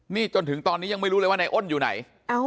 นี่จนถึงตอนนี้ยังไม่รู้เลยว่านายอ้นอยู่ไหน